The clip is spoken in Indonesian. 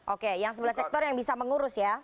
oke yang sebelah sektor yang bisa mengurus ya